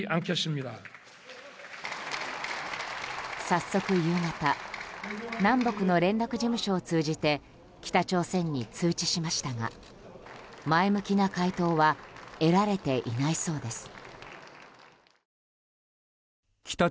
早速、夕方南北の連絡事務所を通じて北朝鮮に通知しましたが前向きな回答は得られていないそうです。